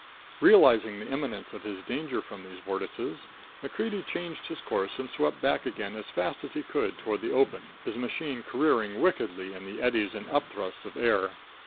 Realizing the imminence of his danger from these vortices, MacCreedy changed his course and swept back again as fast as he could toward the open, his machine careering wickedly in the eddies and upthrusts of air.